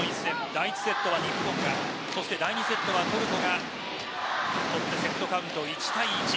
第１セットは日本が第２セットはトルコが取って、セットカウント１−１。